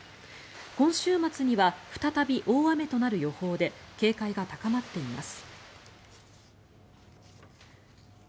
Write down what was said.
今週末には再び大雨となる予報で警戒が高まっています。